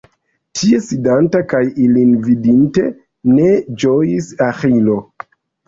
Tie sidanta, kaj ilin vidinte ne ĝojis Aĥilo.